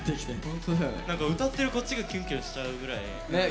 なんか歌ってるこっちがキュンキュンしちゃうぐらい。